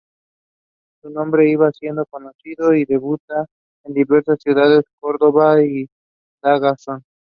Su nombre iba siendo conocido y debuta en diversas ciudades: Córdoba, Badajoz...